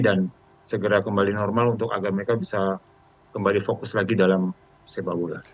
segera kembali normal untuk agar mereka bisa kembali fokus lagi dalam sepak bola